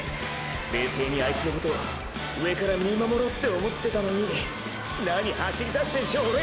冷静にあいつのこと上から見守ろうって思ってたのに何走り出してんショオレ！！